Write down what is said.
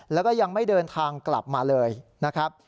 แล้วก็ยังไม่เดินทางกลับมาเลยนะครับ